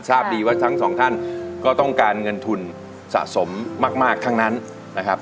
ทราบดีว่าทั้งสองท่านก็ต้องการเงินทุนสะสมมากทั้งนั้นนะครับ